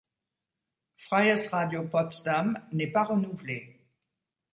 Freies Radio Potsdam n'est pas renouvelé.